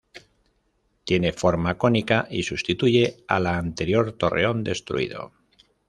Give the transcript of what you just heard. Tiene forma cónica y sustituye al anterior torreón, destruido.